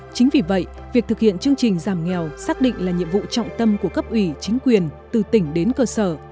chính vì vậy việc thực hiện chương trình giảm nghèo xác định là nhiệm vụ trọng tâm của cấp ủy chính quyền từ tỉnh đến cơ sở